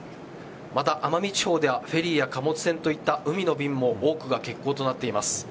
また奄美地方ではフェリーや貨物船といった海の便も多くが欠航となっています。